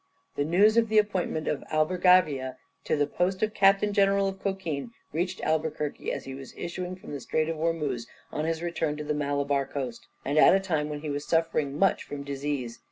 The news of the appointment of Albergavia to the post of Captain General of Cochin, reached Albuquerque as he was issuing from the Strait of Ormuz on his return to the Malabar coast, and at a time when he was suffering much from disease.